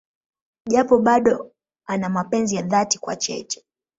Japo bado ana mapenzi ya dhati kwa Cheche.